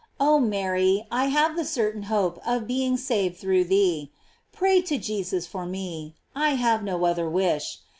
Oh Mary, I have the certain hope of being saved through thee. Pray to Jesus for me. I have no other wish.